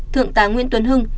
thượng tá nguyễn tuấn hưng